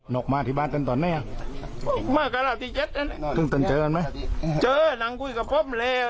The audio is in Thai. นกมาที่บ้านเต็มตอนไหนอ่ะเต็มต้นเจออันไหมเจอนางคุยกับผมแล้ว